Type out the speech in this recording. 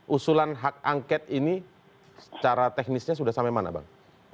usulan hak angket ini secara teknisnya sudah sampai mana bang